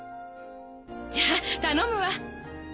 じゃ頼むわ。